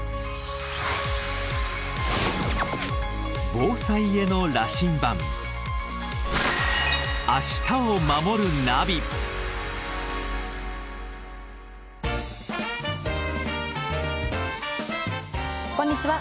防災への羅針盤こんにちは。